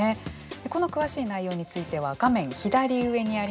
この詳しい内容については画面左上にあります